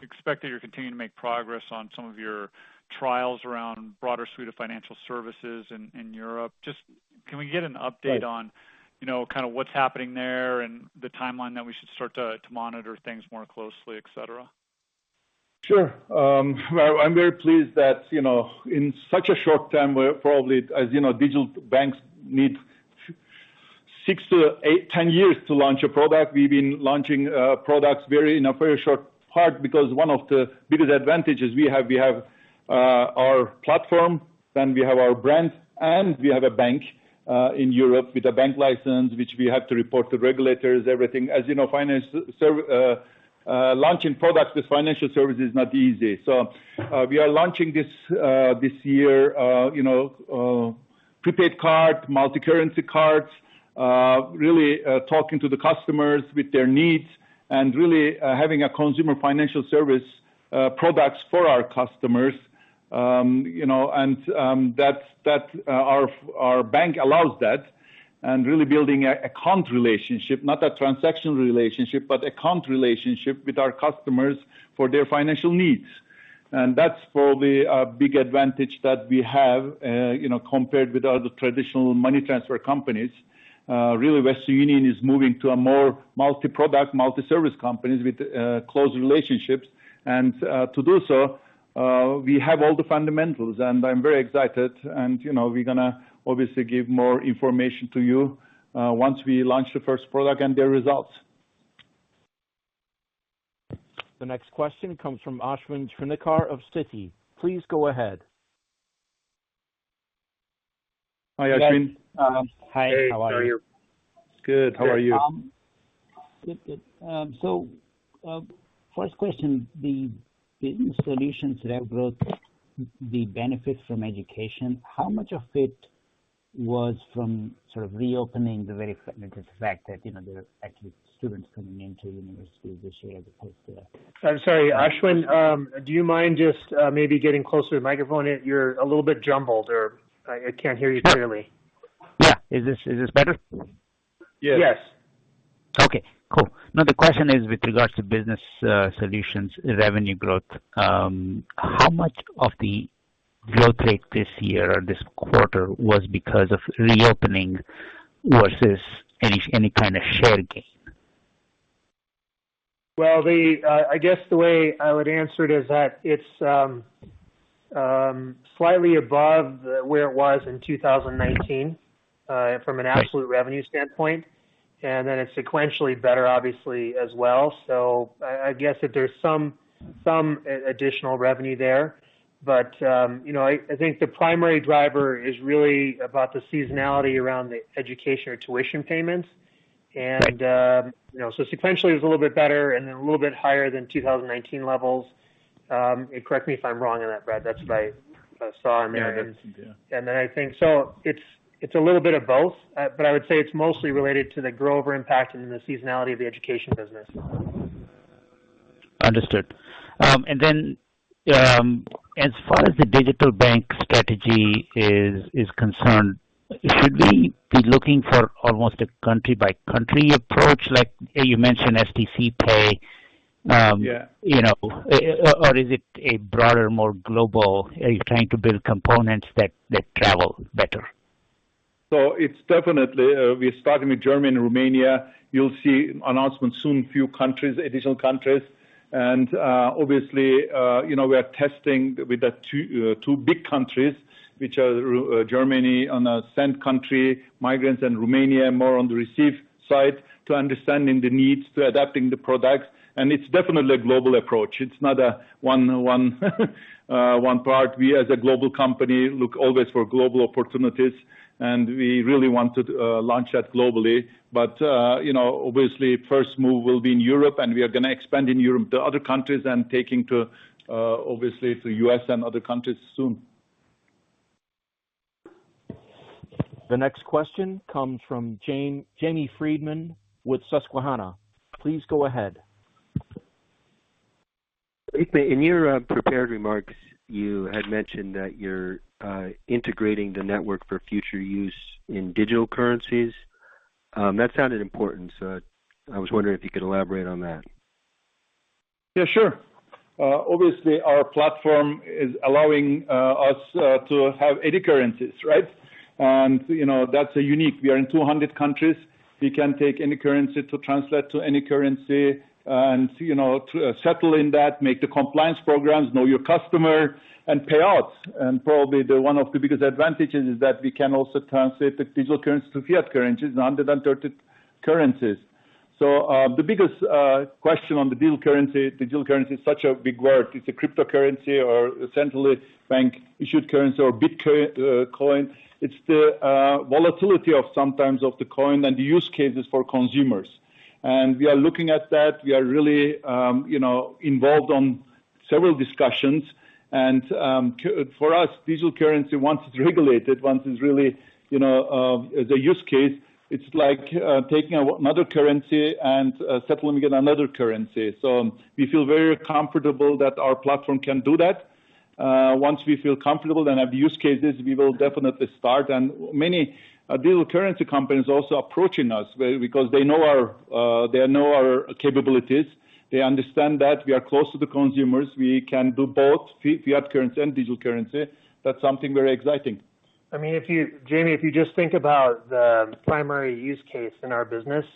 expect that you're continuing to make progress on some of your trials around broader suite of financial services in Europe. Just, can we get an update? Right. On, you know, kind of what's happening there and the timeline that we should start to monitor things more closely, et cetera? Sure. Well, I'm very pleased that, you know, in such a short time, we're probably, as you know, digital banks need six to 10 years to launch a product. We've been launching products in a very short period because one of the biggest advantages we have, our platform, then we have our brand, and we have a bank in Europe with a bank license, which we have to report to regulators, everything. As you know, launching products with financial services is not easy. We are launching this year, you know, prepaid card, multi-currency cards, really talking to the customers with their needs and really having consumer financial services products for our customers. You know, that's our bank allows that and really building an account relationship. Not a transactional relationship, but account relationship with our customers for their financial needs. That's probably a big advantage that we have, you know, compared with other traditional money transfer companies. Really, Western Union is moving to a more multi-product, multi-service companies with close relationships. To do so, we have all the fundamentals, and I'm very excited. You know, we're gonna obviously give more information to you once we launch the first product and their results. The next question comes from Ashwin Shirvaikar of Citi. Please go ahead. Hi, Ashwin. Hi. How are you? Good. How are you? Good. First question. The solutions that brought the benefits from education, how much of it was from sort of reopening the very fact that, you know, there are actually students coming into universities this year as opposed to? I'm sorry, Ashwin, do you mind just maybe getting closer to the microphone? You're a little bit jumbled or I can't hear you clearly. Yeah. Is this better? Yes. Okay. Cool. No, the question is with regards to Business Solutions revenue growth, how much of the growth rate this year or this quarter was because of reopening versus any kind of share gain? Well, I guess the way I would answer it is that it's slightly above where it was in 2019, from an absolute revenue standpoint, and then it's sequentially better obviously as well. I guess that there's some additional revenue there. You know, I think the primary driver is really about the seasonality around the education or tuition payments. You know, sequentially it was a little bit better and a little bit higher than 2019 levels. Correct me if I'm wrong on that, Brad. That's what I saw in there. I think so it's a little bit of both, but I would say it's mostly related to the grow-over impact and the seasonality of the education business. Understood. As far as the digital bank strategy is concerned, should we be looking for almost a country by country approach, like you mentioned stc pay? Yeah. You know, or is it a broader, more global? Are you trying to build components that travel better? It's definitely we're starting with Germany and Romania. You'll see announcements soon, a few countries, additional countries. Obviously, you know, we are testing with the two big countries, which are Germany on a send country, migrants, and Romania more on the receive side to understanding the needs, to adapting the products. It's definitely a global approach. It's not a one part. We as a global company look always for global opportunities, and we really want to launch that globally. You know, obviously first move will be in Europe, and we are gonna expand in Europe to other countries and taking to obviously to U.S. and other countries soon. The next question comes from James Eric Friedman with Susquehanna. Please go ahead. In your prepared remarks, you had mentioned that you're integrating the network for future use in digital currencies. That sounded important, so I was wondering if you could elaborate on that. Yeah, sure. Obviously our platform is allowing us to have any currencies, right? You know, that's a unique. We are in 200 countries. We can take any currency to translate to any currency and, you know, to settle in that, make the compliance programs, know your customer and payouts. Probably the one of the biggest advantages is that we can also translate the digital currency to fiat currencies in under 100 currencies. The biggest question on the deal currency, digital currency is such a big word. It's a cryptocurrency or essentially bank-issued currency or Bitcoin. It's the volatility of sometimes of the coin and the use cases for consumers. We are looking at that. We are really, you know, involved on several discussions. For us, digital currency, once it's regulated, once it's really, you know, the use case, it's like taking another currency and settling in another currency. We feel very comfortable that our platform can do that. Once we feel comfortable, then have use cases, we will definitely start. Many digital currency companies also approaching us very because they know our capabilities. They understand that we are close to the consumers. We can do both fiat currency and digital currency. That's something very exciting. I mean, if you... Jamie, if you just think about the primary use case in our business,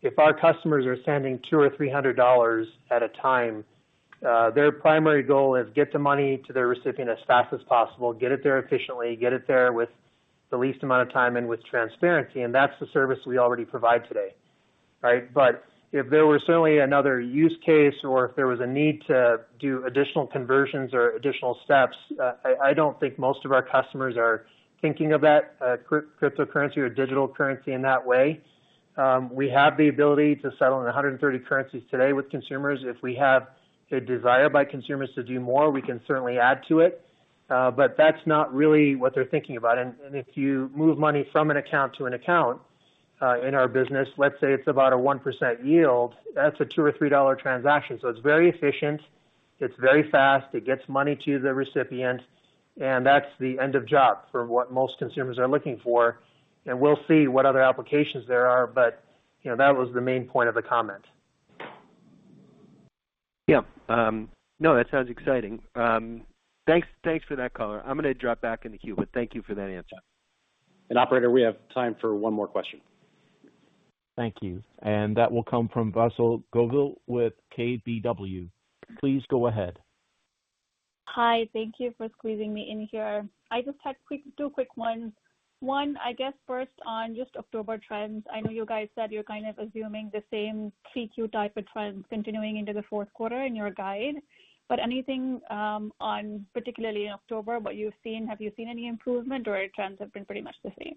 if our customers are sending $200 or $300 at a time, their primary goal is get the money to the recipient as fast as possible, get it there efficiently, get it there with the least amount of time and with transparency. That's the service we already provide today, right? If there was certainly another use case or if there was a need to do additional conversions or additional steps, I don't think most of our customers are thinking of that, cryptocurrency or digital currency in that way. We have the ability to settle in 130 currencies today with consumers. If we have a desire by consumers to do more, we can certainly add to it. That's not really what they're thinking about. If you move money from an account to an account, in our business, let's say it's about a 1% yield, that's a $2-$3 transaction. It's very efficient, it's very fast, it gets money to the recipient, and that's the end of job for what most consumers are looking for. We'll see what other applications there are. You know, that was the main point of the comment. Yeah. No, that sounds exciting. Thanks for that color. I'm gonna drop back in the queue, but thank you for that answer. Operator, we have time for one more question. Thank you. That will come from Vasundhara Govil with KBW. Please go ahead. Hi. Thank you for squeezing me in here. I just had quick, two quick ones. One, I guess first on just October trends. I know you guys said you're kind of assuming the same 3Q type of trends continuing into the fourth quarter in your guide. Anything on particularly in October, what you've seen? Have you seen any improvement or your trends have been pretty much the same?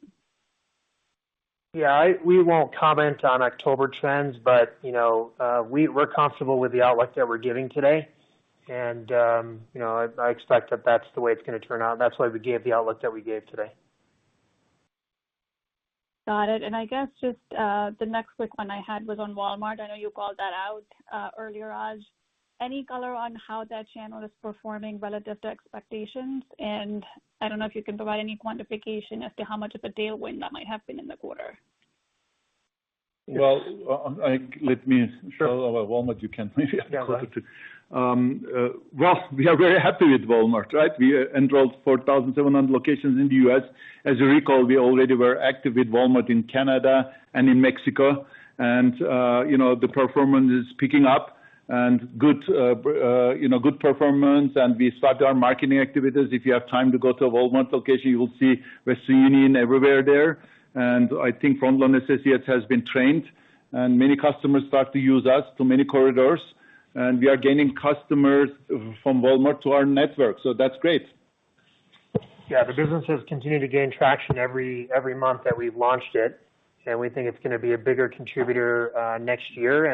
We won't comment on October trends, but you know, we're comfortable with the outlook that we're giving today. I expect that that's the way it's gonna turn out. That's why we gave the outlook that we gave today. Got it. I guess just the next quick one I had was on Walmart. I know you called that out earlier, Oz. Any color on how that channel is performing relative to expectations? I don't know if you can provide any quantification as to how much of a tailwind that might have been in the quarter. Well, let me talk about Walmart. You can maybe talk to Yeah, go ahead. We are very happy with Walmart, right? We enrolled 4,700 locations in the U.S. As you recall, we already were active with Walmart in Canada and in Mexico. You know, the performance is picking up and good, you know, good performance, and we start our marketing activities. If you have time to go to a Walmart location, you will see Western Union everywhere there. I think the associates have been trained, and many customers start to use us to many corridors. We are gaining customers from Walmart to our network, so that's great. Yeah. The business has continued to gain traction every month that we've launched it, and we think it's gonna be a bigger contributor next year.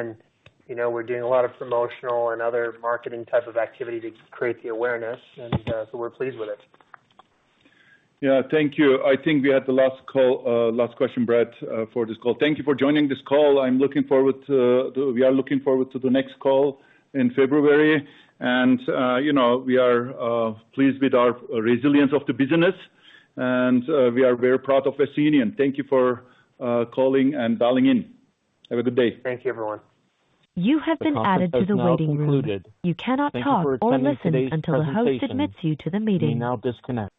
You know, we're doing a lot of promotional and other marketing type of activity to create the awareness. We're pleased with it. Yeah. Thank you. I think we had the last call, last question, Brad, for this call. Thank you for joining this call. We are looking forward to the next call in February. You know, we are pleased with our resilience of the business, and we are very proud of Western Union. Thank you for calling and dialing in. Have a good day. Thank you, everyone. The conference has now concluded. Thank you for attending today's presentation. You may now disconnect.